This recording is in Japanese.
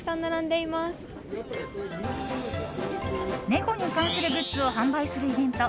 猫に関するグッズを販売するイベント